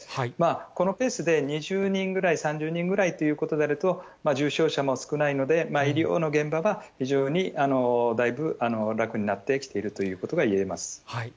このペースで、２０人ぐらい、３０人ぐらいということであると、重症者も少ないので、医療の現場は非常にだいぶ楽になってきているということが言えます。